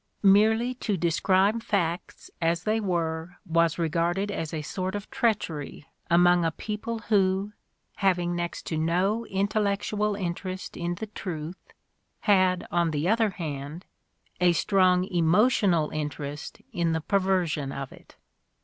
Merely to describe facts as they were was regarded as a sort of treachery among a people who, having next to no intellectual interest in the truth, had, on the other hand, a strong emotional interest in the perversion of it.